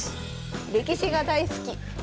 歴史が大好き。